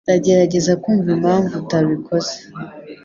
Ndagerageza kumva impamvu utabikoze.